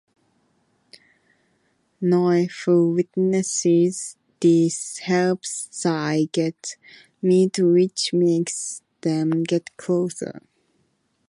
Noi who witnesses this helps Sai get meat which makes them get closer.